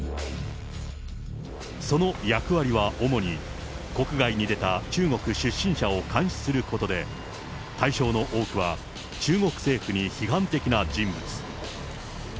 その役割は、主に国外に出た中国出身者を監視することで、対象の多くは中国政府に批判的な人物。